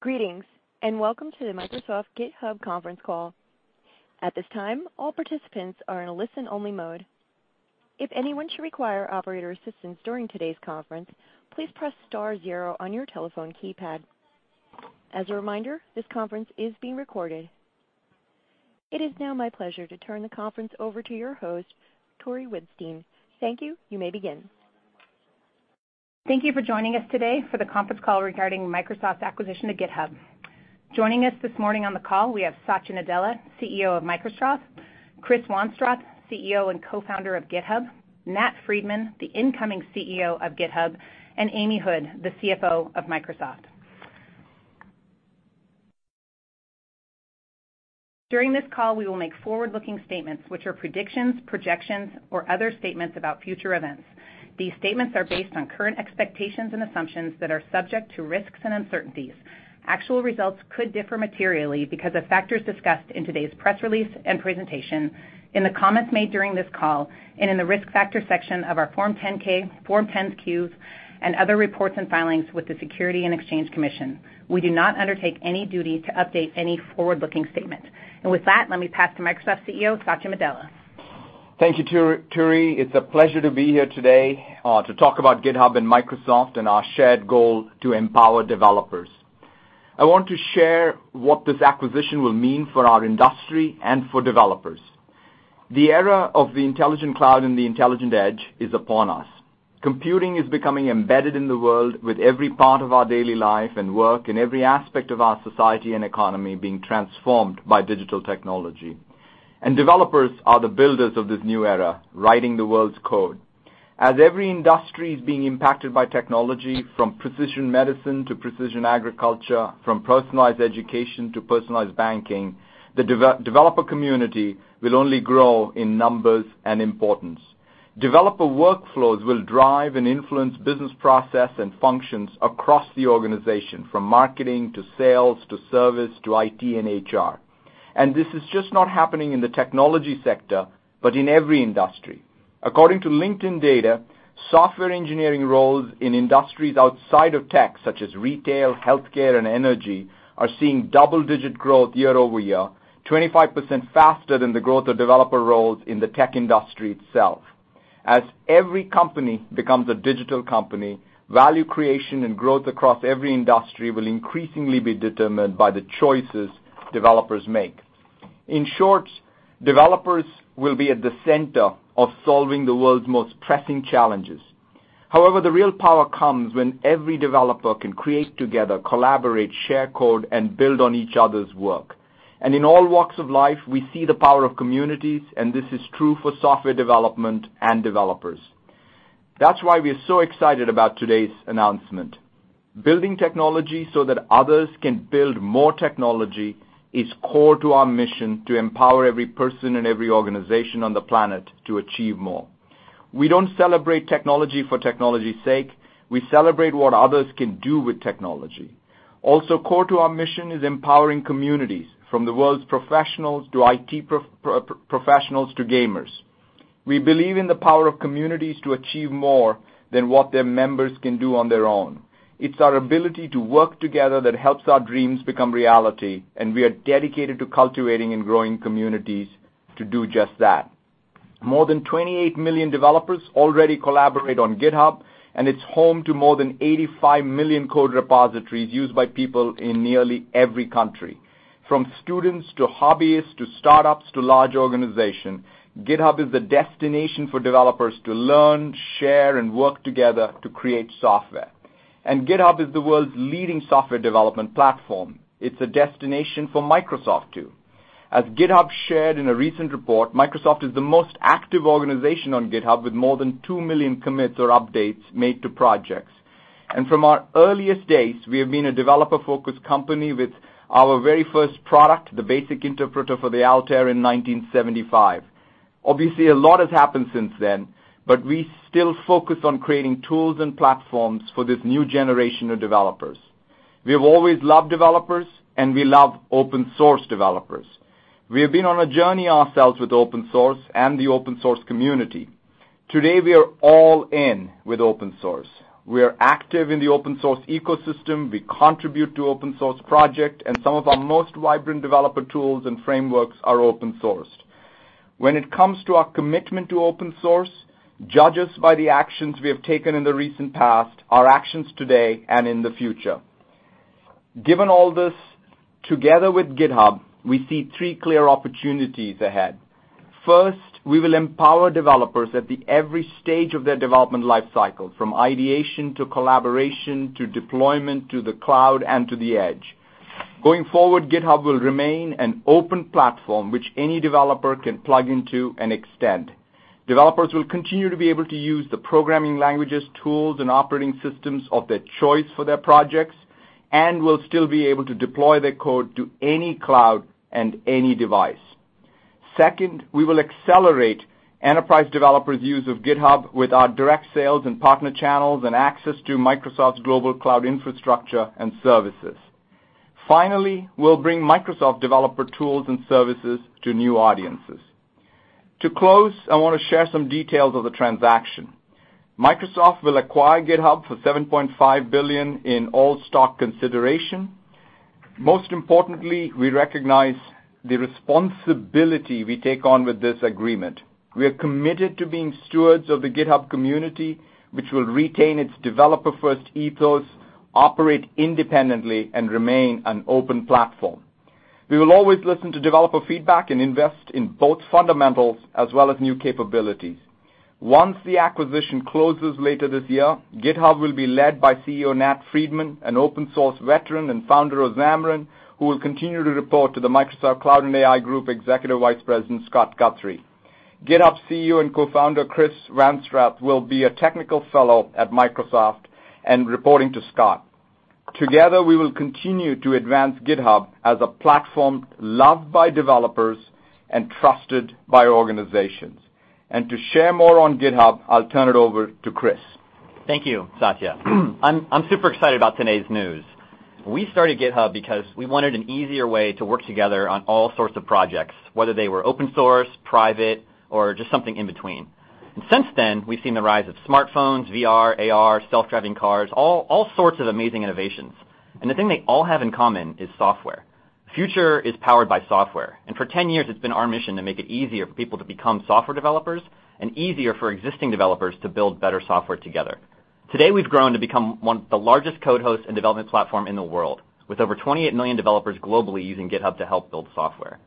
Greetings. Welcome to the Microsoft GitHub conference call. At this time, all participants are in a listen-only mode. If anyone should require operator assistance during today's conference, please press star zero on your telephone keypad. As a reminder, this conference is being recorded. It is now my pleasure to turn the conference over to your host, Jonathan Nielsen. Thank you. You may begin. Thank you for joining us today for the conference call regarding Microsoft's acquisition of GitHub. Joining us this morning on the call, we have Satya Nadella, CEO of Microsoft, Chris Wanstrath, CEO and co-founder of GitHub, Nat Friedman, the incoming CEO of GitHub, and Amy Hood, the CFO of Microsoft. During this call, we will make forward-looking statements which are predictions, projections, or other statements about future events. These statements are based on current expectations and assumptions that are subject to risks and uncertainties. Actual results could differ materially because of factors discussed in today's press release and presentation, in the comments made during this call, and in the Risk Factors section of our Form 10-K, Form 10-Q, and other reports and filings with the Securities and Exchange Commission. We do not undertake any duty to update any forward-looking statement. With that, let me pass to Microsoft CEO, Satya Nadella. Thank you, Jonathan. It's a pleasure to be here today to talk about GitHub and Microsoft and our shared goal to empower developers. I want to share what this acquisition will mean for our industry and for developers. The era of the Intelligent Cloud and the Intelligent Edge is upon us. Computing is becoming embedded in the world with every part of our daily life and work and every aspect of our society and economy being transformed by digital technology. Developers are the builders of this new era, writing the world's code. As every industry is being impacted by technology, from precision medicine to precision agriculture, from personalized education to personalized banking, the developer community will only grow in numbers and importance. Developer workflows will drive and influence business process and functions across the organization, from marketing to sales to service to IT and HR. This is just not happening in the technology sector, but in every industry. According to LinkedIn data, software engineering roles in industries outside of tech, such as retail, healthcare, and energy, are seeing double-digit growth year-over-year, 25% faster than the growth of developer roles in the tech industry itself. As every company becomes a digital company, value creation and growth across every industry will increasingly be determined by the choices developers make. In short, developers will be at the center of solving the world's most pressing challenges. The real power comes when every developer can create together, collaborate, share code, and build on each other's work. In all walks of life, we see the power of communities, and this is true for software development and developers. That's why we're so excited about today's announcement. Building technology so that others can build more technology is core to our mission to empower every person and every organization on the planet to achieve more. We don't celebrate technology for technology's sake. We celebrate what others can do with technology. Also core to our mission is empowering communities, from the world's professionals to IT professionals to gamers. We believe in the power of communities to achieve more than what their members can do on their own. It's our ability to work together that helps our dreams become reality. We are dedicated to cultivating and growing communities to do just that. More than 28 million developers already collaborate on GitHub, and it's home to more than 85 million code repositories used by people in nearly every country. From students to hobbyists to startups to large organizations, GitHub is the destination for developers to learn, share, and work together to create software. GitHub is the world's leading software development platform. It's a destination for Microsoft, too. As GitHub shared in a recent report, Microsoft is the most active organization on GitHub with more than 2 million commits or updates made to projects. From our earliest days, we have been a developer-focused company with our very first product, the basic interpreter for the Altair in 1975. Obviously, a lot has happened since then, but we still focus on creating tools and platforms for this new generation of developers. We've always loved developers. We love open source developers. We have been on a journey ourselves with open source and the open source community. Today, we are all in with open source. We are active in the open source ecosystem, we contribute to open source projects. Some of our most vibrant developer tools and frameworks are open source. When it comes to our commitment to open source, judge us by the actions we have taken in the recent past, our actions today, and in the future. Given all this, together with GitHub, we see three clear opportunities ahead. First, we will empower developers at every stage of their development life cycle, from ideation to collaboration to deployment to the cloud and to the edge. Going forward, GitHub will remain an open platform which any developer can plug into and extend. Developers will continue to be able to use the programming languages, tools, and operating systems of their choice for their projects and will still be able to deploy their code to any cloud and any device. We will accelerate enterprise developers' use of GitHub with our direct sales and partner channels and access to Microsoft's global cloud infrastructure and services. We'll bring Microsoft developer tools and services to new audiences. To close, I want to share some details of the transaction. Microsoft will acquire GitHub for $7.5 billion in all-stock consideration. Most importantly, we recognize the responsibility we take on with this agreement. We are committed to being stewards of the GitHub community, which will retain its developer-first ethos, operate independently, and remain an open platform. We will always listen to developer feedback and invest in both fundamentals as well as new capabilities. Once the acquisition closes later this year, GitHub will be led by CEO Nat Friedman, an open source veteran and founder of Xamarin, who will continue to report to the Microsoft Cloud and AI Group Executive Vice President, Scott Guthrie. GitHub CEO and co-founder Chris Wanstrath will be a technical fellow at Microsoft and reporting to Scott. Together, we will continue to advance GitHub as a platform loved by developers and trusted by organizations. To share more on GitHub, I'll turn it over to Chris. Thank you, Satya. I'm super excited about today's news. We started GitHub because we wanted an easier way to work together on all sorts of projects, whether they were open source, private, or just something in between. Since then, we've seen the rise of smartphones, VR, AR, self-driving cars, all sorts of amazing innovations. The thing they all have in common is software. The future is powered by software. For 10 years, it's been our mission to make it easier for people to become software developers and easier for existing developers to build better software together. Today, we've grown to become one of the largest code hosts and development platform in the world, with over 28 million developers globally using GitHub to help build software.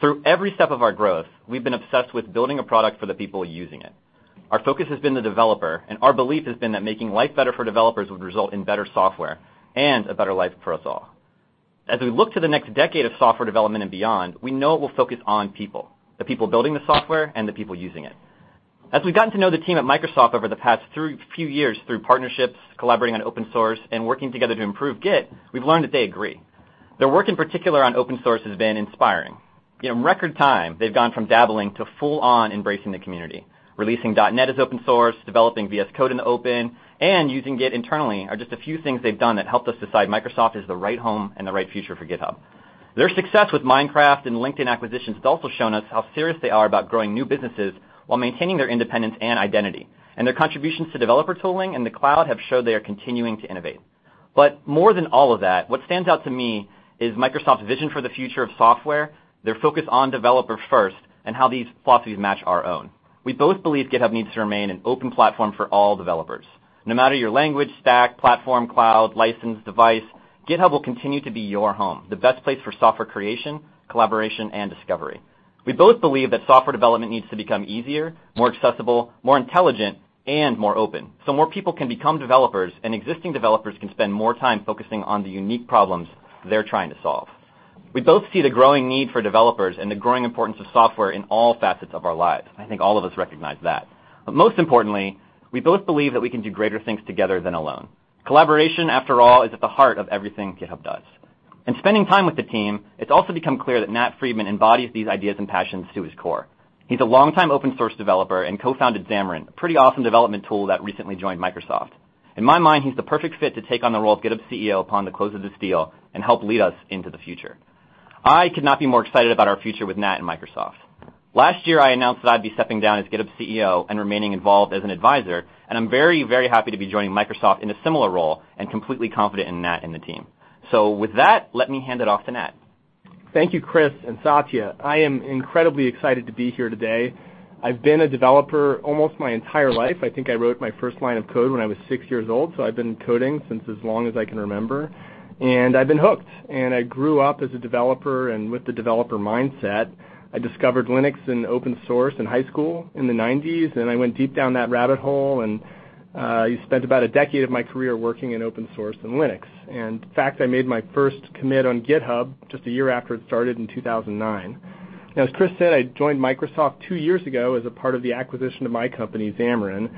Through every step of our growth, we've been obsessed with building a product for the people using it. Our focus has been the developer, and our belief has been that making life better for developers would result in better software and a better life for us all. As we look to the next decade of software development and beyond, we know it will focus on people, the people building the software and the people using it. As we've gotten to know the team at Microsoft over the past few years through partnerships, collaborating on open source, and working together to improve Git, we've learned that they agree. Their work in particular on open source has been inspiring. In record time, they've gone from dabbling to full on embracing the community, releasing .NET as open source, developing VS Code in the open, and using Git internally are just a few things they've done that helped us decide Microsoft is the right home and the right future for GitHub. Their success with Minecraft and LinkedIn acquisitions has also shown us how serious they are about growing new businesses while maintaining their independence and identity. Their contributions to developer tooling and the cloud have showed they are continuing to innovate. More than all of that, what stands out to me is Microsoft's vision for the future of software, their focus on developer first, and how these philosophies match our own. We both believe GitHub needs to remain an open platform for all developers. No matter your language, stack, platform, cloud, license, device, GitHub will continue to be your home, the best place for software creation, collaboration, and discovery. We both believe that software development needs to become easier, more accessible, more intelligent, and more open so more people can become developers and existing developers can spend more time focusing on the unique problems they're trying to solve. We both see the growing need for developers and the growing importance of software in all facets of our lives. I think all of us recognize that. Most importantly, we both believe that we can do greater things together than alone. Collaboration, after all, is at the heart of everything GitHub does. In spending time with the team, it's also become clear that Nat Friedman embodies these ideas and passions to his core. He's a longtime open source developer and co-founded Xamarin, a pretty awesome development tool that recently joined Microsoft. In my mind, he's the perfect fit to take on the role of GitHub CEO upon the close of this deal and help lead us into the future. I could not be more excited about our future with Nat and Microsoft. Last year, I announced that I'd be stepping down as GitHub CEO and remaining involved as an advisor, and I'm very, very happy to be joining Microsoft in a similar role and completely confident in Nat and the team. With that, let me hand it off to Nat. Thank you, Chris and Satya. I am incredibly excited to be here today. I've been a developer almost my entire life. I think I wrote my first line of code when I was six years old, so I've been coding since as long as I can remember, and I've been hooked. I grew up as a developer and with the developer mindset. I discovered Linux and open source in high school in the '90s, and I went deep down that rabbit hole and I spent about a decade of my career working in open source and Linux. In fact, I made my first commit on GitHub just a year after it started in 2009. Now, as Chris said, I joined Microsoft two years ago as a part of the acquisition of my company, Xamarin.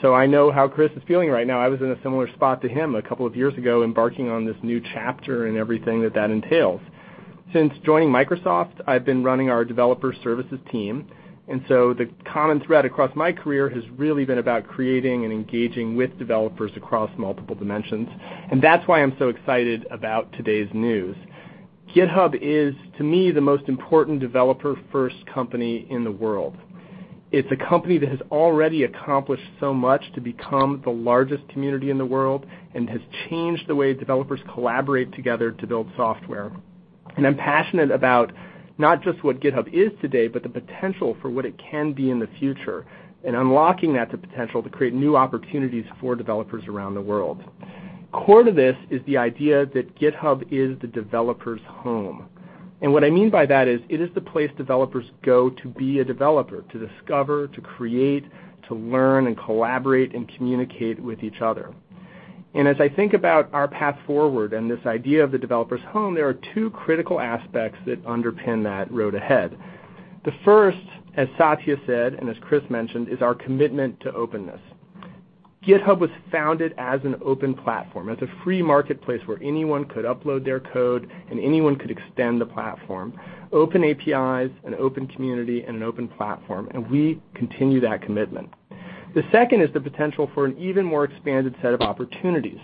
So I know how Chris is feeling right now. I was in a similar spot to him a couple of years ago, embarking on this new chapter and everything that that entails. Since joining Microsoft, I've been running our developer services team, the common thread across my career has really been about creating and engaging with developers across multiple dimensions, and that's why I'm so excited about today's news. GitHub is, to me, the most important developer-first company in the world. It's a company that has already accomplished so much to become the largest community in the world and has changed the way developers collaborate together to build software. I'm passionate about not just what GitHub is today, but the potential for what it can be in the future and unlocking that potential to create new opportunities for developers around the world. Core to this is the idea that GitHub is the developer's home. What I mean by that is, it is the place developers go to be a developer, to discover, to create, to learn and collaborate and communicate with each other. As I think about our path forward and this idea of the developer's home, there are two critical aspects that underpin that road ahead. The first, as Satya said, as Chris mentioned, is our commitment to openness. GitHub was founded as an open platform, as a free marketplace where anyone could upload their code and anyone could extend the platform. Open APIs, an open community, an open platform, we continue that commitment. The second is the potential for an even more expanded set of opportunities.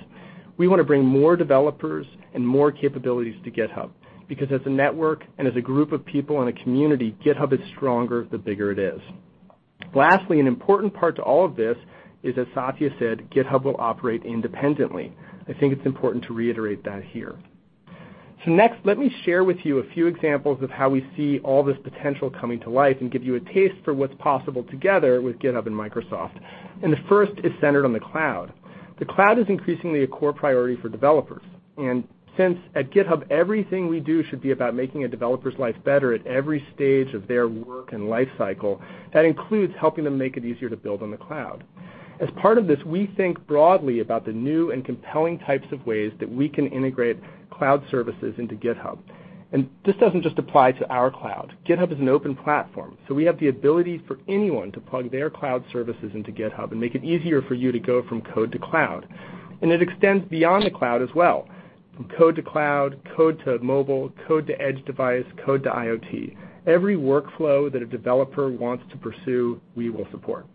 We want to bring more developers and more capabilities to GitHub, because as a network and as a group of people in a community, GitHub is stronger the bigger it is. Lastly, an important part to all of this is, as Satya said, GitHub will operate independently. I think it's important to reiterate that here. Next, let me share with you a few examples of how we see all this potential coming to life and give you a taste for what's possible together with GitHub and Microsoft. The first is centered on the cloud. The cloud is increasingly a core priority for developers. Since at GitHub, everything we do should be about making a developer's life better at every stage of their work and life cycle, that includes helping them make it easier to build on the cloud. As part of this, we think broadly about the new and compelling types of ways that we can integrate cloud services into GitHub. This doesn't just apply to our cloud. GitHub is an open platform, so we have the ability for anyone to plug their cloud services into GitHub and make it easier for you to go from code to cloud. It extends beyond the cloud as well. From code to cloud, code to mobile, code to edge device, code to IoT. Every workflow that a developer wants to pursue, we will support.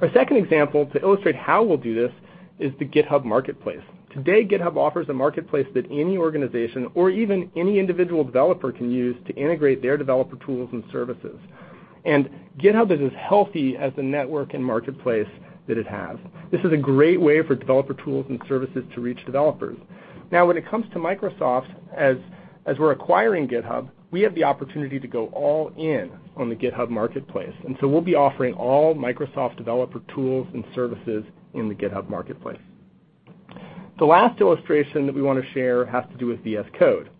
Our second example to illustrate how we'll do this is the GitHub Marketplace. Today, GitHub offers a marketplace that any organization or even any individual developer can use to integrate their developer tools and services. GitHub is as healthy as the network and marketplace that it has. This is a great way for developer tools and services to reach developers. When it comes to Microsoft, as we're acquiring GitHub, we have the opportunity to go all in on the GitHub Marketplace, we'll be offering all Microsoft developer tools and services in the GitHub Marketplace. The last illustration that we want to share has to do with VS Code.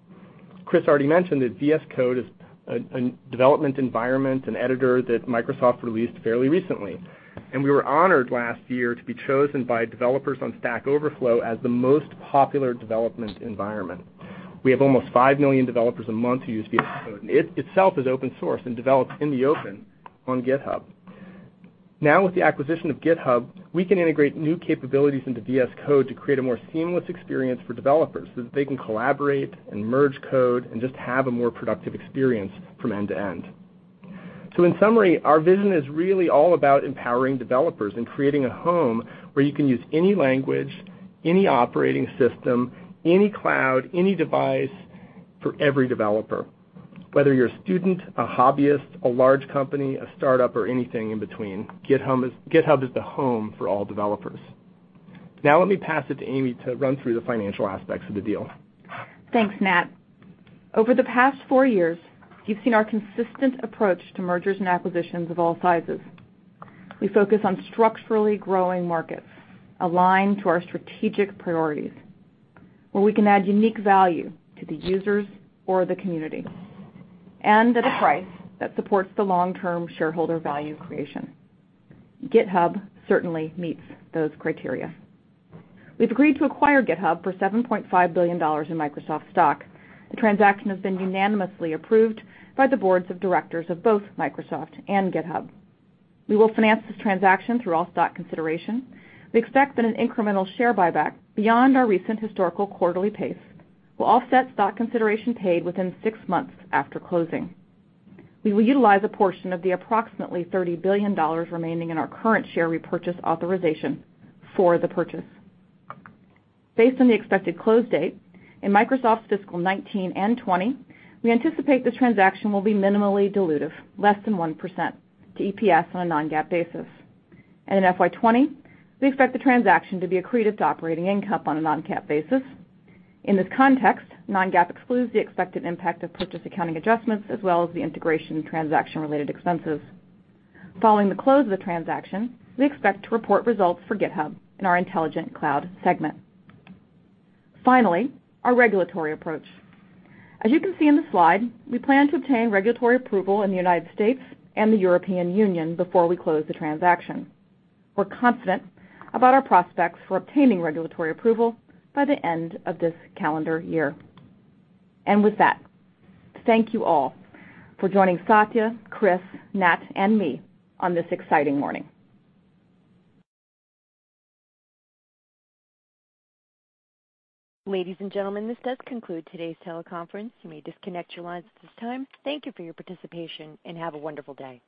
Chris already mentioned that VS Code is a development environment, an editor that Microsoft released fairly recently, and we were honored last year to be chosen by developers on Stack Overflow as the most popular development environment. We have almost 5 million developers a month who use VS Code, and it itself is open source and develops in the open on GitHub. With the acquisition of GitHub, we can integrate new capabilities into VS Code to create a more seamless experience for developers so that they can collaborate and merge code and just have a more productive experience from end to end. In summary, our vision is really all about empowering developers and creating a home where you can use any language, any operating system, any cloud, any device for every developer. Whether you're a student, a hobbyist, a large company, a startup, or anything in between, GitHub is the home for all developers. Let me pass it to Amy to run through the financial aspects of the deal. Thanks, Nat. Over the past 4 years, you've seen our consistent approach to mergers and acquisitions of all sizes. We focus on structurally growing markets aligned to our strategic priorities, where we can add unique value to the users or the community, and at a price that supports the long-term shareholder value creation. GitHub certainly meets those criteria. We've agreed to acquire GitHub for $7.5 billion in Microsoft stock. The transaction has been unanimously approved by the boards of directors of both Microsoft and GitHub. We will finance this transaction through all stock consideration. We expect that an incremental share buyback beyond our recent historical quarterly pace will offset stock consideration paid within 6 months after closing. We will utilize a portion of the approximately $30 billion remaining in our current share repurchase authorization for the purchase. Based on the expected close date, in Microsoft's fiscal 2019 and 2020, we anticipate the transaction will be minimally dilutive, less than 1% to EPS on a non-GAAP basis. In FY 2020, we expect the transaction to be accretive to operating income on a non-GAAP basis. In this context, non-GAAP excludes the expected impact of purchase accounting adjustments as well as the integration transaction-related expenses. Following the close of the transaction, we expect to report results for GitHub in our Intelligent Cloud segment. Finally, our regulatory approach. As you can see in the slide, we plan to obtain regulatory approval in the U.S. and the European Union before we close the transaction. We're confident about our prospects for obtaining regulatory approval by the end of this calendar year. With that, thank you all for joining Satya, Chris, Nat, and me on this exciting morning. Ladies and gentlemen, this does conclude today's teleconference. You may disconnect your lines at this time. Thank you for your participation, and have a wonderful day